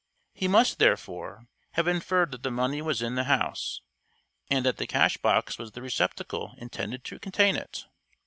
He must, therefore, have inferred that the money was in the house, and that the cash box was the receptacle intended to contain it.